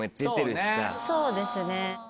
そうですね。